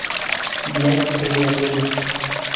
Pilar es la abuela.